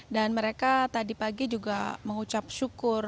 dan mereka tadi pagi juga mengucap syukur